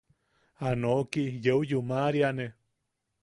A noki yeu yuMaríane.